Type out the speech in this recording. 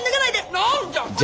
何じゃ！